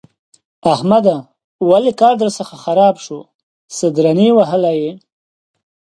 احمده! ولې کار درڅخه خراب شو؛ څه درنې وهلی يې؟!